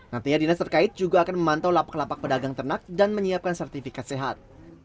nantinya dinas terkait juga akan memantau lapak lapak pedagang ternak dan menyiapkan sertifikat sehat